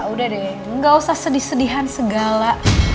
udah deh gak usah sedih sedihan segala